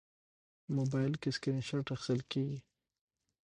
موبایل کې سکرین شات اخیستل کېږي.